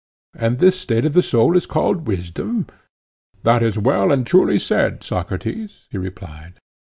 And this state of the soul is called wisdom? That is well and truly said, Socrates, he replied.